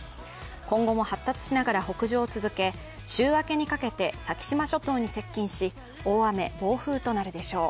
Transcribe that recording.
今後も発達しながら北上を続け週明けにかけて先島諸島に接近し、大雨・暴風となるでしょう。